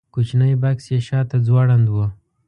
کوچنی بکس یې شاته ځوړند و.